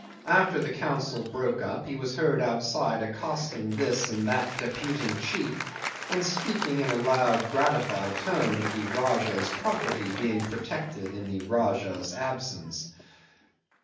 After the council broke up he was heard outside accosting this and that deputing chief, and speaking in a loud, gratified tone of the Rajah's property being protected in the Rajah's absence.